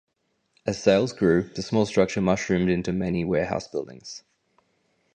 As sales grew, the small structure mushroomed into many warehouse buildings.